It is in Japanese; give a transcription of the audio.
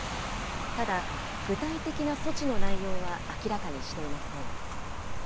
ただ、具体的な措置の内容は明らかにしていません。